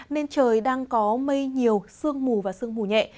nên trời đang có mây nhiều sương mù và sương mù nhẹ